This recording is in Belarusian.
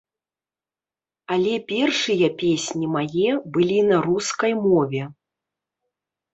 Але першыя песні мае былі на рускай мове.